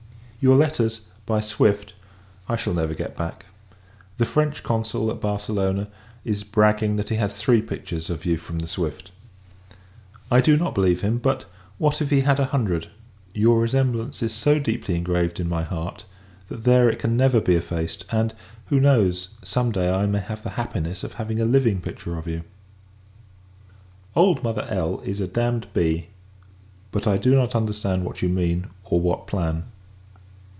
Your letters, by Swift, I shall never get back. The French Consul, at Barcelona, is bragging that he has three pictures of you from the Swift. I do not believe him; but, what if he had a hundred! Your resemblance is so deeply engraved in my heart, that there it can never be effaced: and, who knows? some day, I may have the happiness of having a living picture of you! Old Mother L is a damned b : but I do not understand what you mean, or what plan.